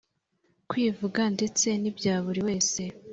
kwivuga ndetse ni bya buri wese